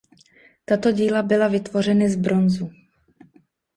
Tato díla byla vytvořeny z bronzu.